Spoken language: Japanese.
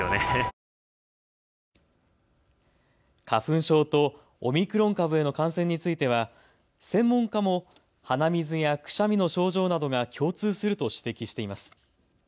花粉症とオミクロン株への感染については専門家も鼻水やくしゃみの症状などが共通すると指摘しています。